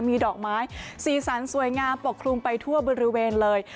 มีดอกไม้สีสันสวยงามปกคลุมไปทั่วบริเวณเลย